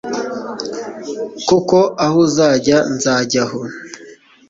kuko aho uzajya nzajya aho